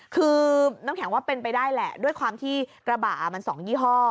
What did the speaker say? คือน้ำแข็งว่าเป็นไปได้แหละด้วยความที่กระบะมัน๒ยี่ห้อ